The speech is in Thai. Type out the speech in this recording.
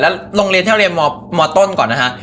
แล้วโรงเรียนที่เราเรียนมต้นก่อนนะฮะ